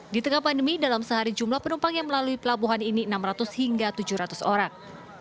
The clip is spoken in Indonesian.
di tengah pandemi dalam sehari jumlah penumpang yang melalui pelabuhan ini enam ratus hingga tujuh ratus orang